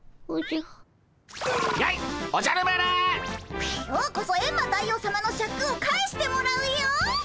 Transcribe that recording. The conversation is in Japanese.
今日こそエンマ大王さまのシャクを返してもらうよっ！